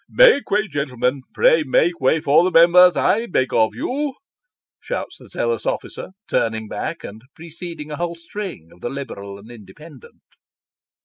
" Make way, gentlemen, pray make way for the Members, I beg 114 Sketches by Bos. of you !" shouts the zealous officer, turning back, and preceding a whole string of the liberal and independent.